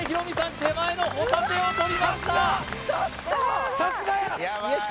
手前のホタテをとりましたちょっと！